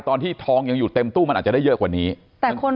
ตอนที่ทองยังอยู่เต็มตู้มันอาจจะได้เยอะกว่านี้แต่บางคน